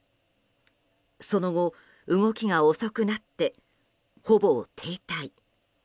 その後、動きが遅くなってほぼ停滞。